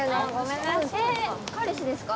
え彼氏ですか？